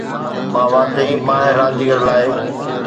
مان واقعي ماهر رانديگر لاءِ